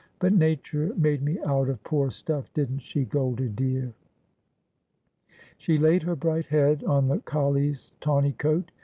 But Nature made me out of poor stuff, didn't she, Goldie dear ?' She laid her bright head on the collie's tawny coat.